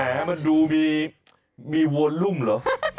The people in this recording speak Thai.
แหมมันดูมีมีโวลุมเหรอ